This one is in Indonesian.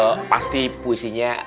eh pasti puisinya